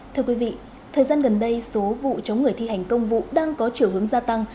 thưa quý vị thời gian gần đây số vụ chống người thi hành công vụ đang có chiều hướng gia tăng